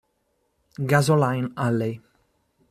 Gasoline Alley